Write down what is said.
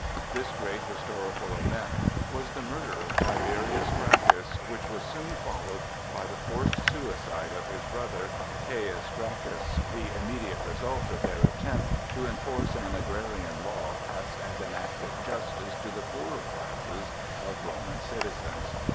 This great historical event was the murder of Tiberius Gracchus, which was soon followed by the forced suicide of his brother, Caius Gracchus,—the immediate result of their attempt to enforce an agrarian law passed as an act of justice to the poorer classes of Roman citizens.